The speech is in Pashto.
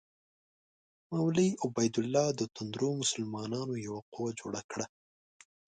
مولوي عبیدالله د توندرو مسلمانانو یوه قوه جوړه کړه.